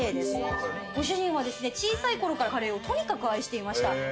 ご主人は小さいころからカレーをとにかく愛していました。